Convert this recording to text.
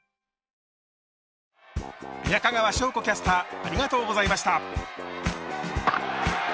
中川翔子キャスターありがとうございました。